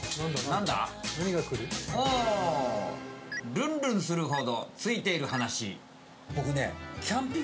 ルンルンするほどツイてる話。